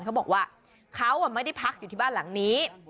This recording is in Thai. เขาบอกว่าเขาไม่ได้พักอยู่ที่บ้านหลังนี้